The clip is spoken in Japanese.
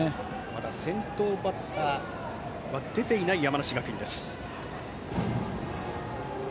まだ先頭バッターは出ていない山梨学院です。